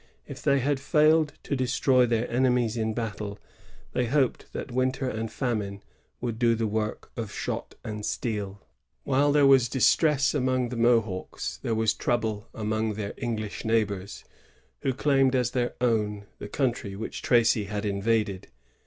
If they had failed to destroy their enemies in battle, tiiey hoped that winter and famine would do the work of shot and steel. While there was distress among the Mohawks, there was trouble among their English neighbors, who claimed as their own the country which Tracy had invaded.